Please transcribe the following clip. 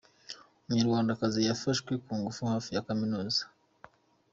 Umunyarwandakazi yafashwe ku ngufu hafi ya Kaminuza